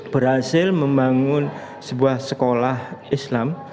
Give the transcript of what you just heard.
berhasil membangun sebuah sekolah islam